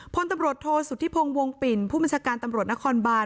พลตำรวจโทษสุธิพงศ์วงปิ่นผู้บัญชาการตำรวจนครบาน